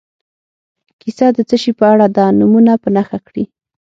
کیسه د څه شي په اړه ده نومونه په نښه کړي.